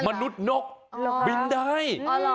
มนุษย์นกบินได้